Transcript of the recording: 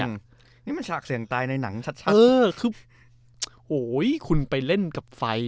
นี่มันฉากเสียงตายในหนังชัดคือโหยคุณไปเล่นกับไฟ